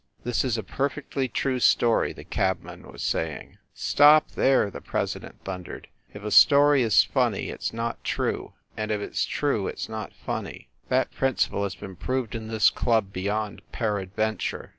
"This is a perfectly true story," the cabman was saying. "Stop there !" the president thundered. "If a story is funny, it s not true, and if it s true, it s not funny. That principle has been proved in this club beyond peradventure.